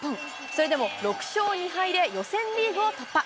それでも６勝２敗で予選リーグを突破。